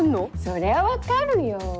そりゃ分かるよ。